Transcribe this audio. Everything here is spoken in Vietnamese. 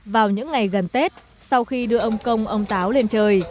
vào những ngày gần tết sau khi đưa ông công ông táo lên trời